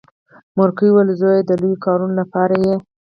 مورکۍ ویل زويه د لويو کارونو لپاره یې.